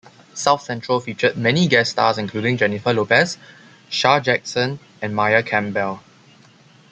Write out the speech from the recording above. "South Central" featured many guest stars including Jennifer Lopez, Shar Jackson, and Maia Campbell.